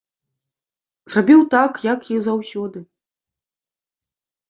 Зрабіў так, як і заўсёды.